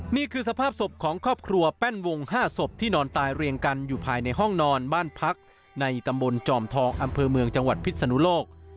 นี่คือสภาพศพของครอบครัวแป้นวง๕ศพที่นอนตายเรียงกันอยู่ภายในห้องนอนบ้านพักในตำบลจอมทองอำเภอเมืองจังหวัดพิษนุโลก